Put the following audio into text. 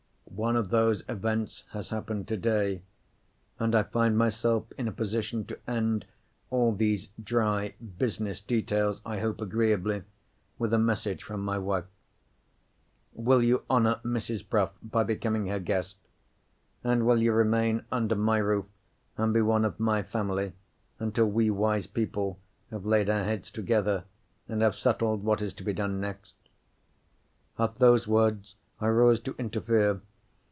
One of those events has happened today; and I find myself in a position to end all these dry business details, I hope agreeably, with a message from my wife. Will you honour Mrs. Bruff by becoming her guest? And will you remain under my roof, and be one of my family, until we wise people have laid our heads together, and have settled what is to be done next?" At those words, I rose to interfere.